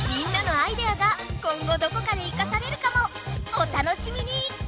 お楽しみに！